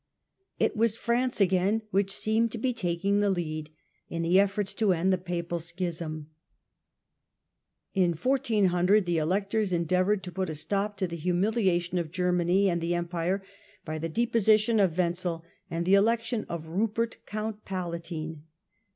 It was France again which seemed to be taking the lead in the efforts to end the Papal Schism. In 1 400 the Electors endeavoured to put a stop to the Wenzei humiliation of Germany and the Empire by the deposi aSupert tion of Wenzel and the election of Eupert, Count Pala f^^^^'^' tine.